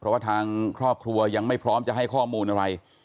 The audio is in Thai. เพราะว่าทางครอบครัวยังไม่พร้อมจะให้ข้อมูลอะไร